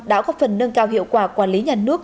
đã góp phần nâng cao hiệu quả quản lý nhà nước